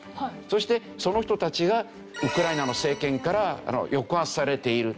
そしてその人たちがウクライナの政権から抑圧されている。